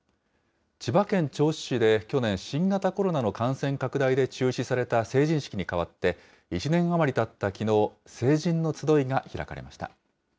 千葉県銚子市で去年、新型コロナの感染拡大で中止された成人式に代わって、１年余りたったきのう、成人のつどいが開かれました。